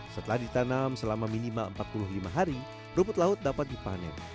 setelah ditanam selama minimal empat puluh lima hari rumput laut dapat dipanen